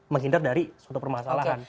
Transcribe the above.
menghindar dari suatu permasalahan